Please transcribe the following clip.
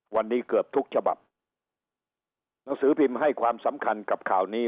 วันนี้เกือบทุกฉบับหนังสือพิมพ์ให้ความสำคัญกับข่าวนี้